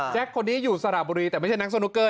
คนนี้อยู่สระบุรีแต่ไม่ใช่นักสนุกเกอร์